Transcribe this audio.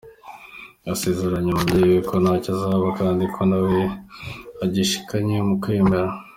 Yasezeranyije umubyeyi we ko ntacyo azaba kandi ko nawe agishikamye mu kwemera.